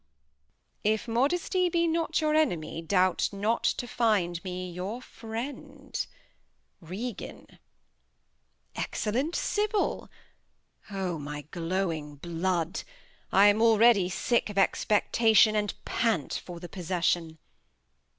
If Modesty be not your Enemy, doubt not to [Reads. Find me your Friend. Regan. Excellent Sybil.' O my glowing Blood! I am already sick of Expectation, And pant for the Possession.